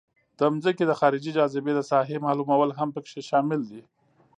د ځمکې د خارجي جاذبې د ساحې معلومول هم پکې شامل دي